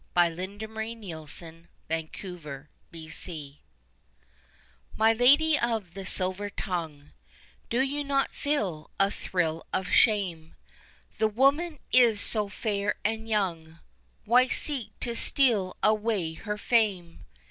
My Lady of the Silver Tongue My Lady of the Silver Tongue, Do you not feel a thrill of shame? The woman is so fair and young Why seek to steal away her fame?